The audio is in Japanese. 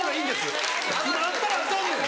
今あったらアカンねん。